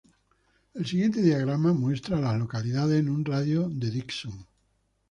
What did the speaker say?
El siguiente diagrama muestra a las localidades en un radio de de Dixon.